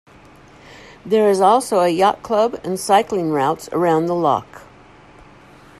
There is also a yacht club and cycling routes around the loch.